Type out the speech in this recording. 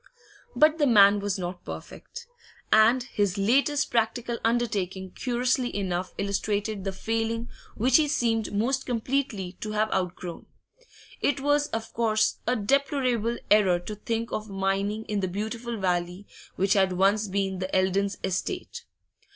But the man was not perfect, and his latest practical undertaking curiously enough illustrated the failing which he seemed most completely to have outgrown. It was of course a deplorable error to think of mining in the beautiful valley which had once been the Eldons' estate.